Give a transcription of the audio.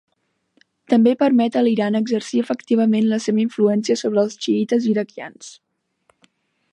També permet a l'Iran exercir efectivament la seva influència sobre els xiïtes iraquians.